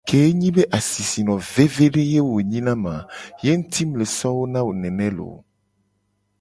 Ke enyi be asisino vevede ye wo nyi na mu a ye nguti mu le so wo na wo nene looo.